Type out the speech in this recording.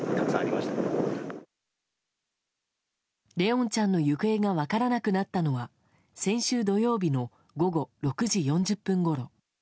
怜音ちゃんの行方が分からなくなったのは先週土曜日の午後６時４０分ごろ。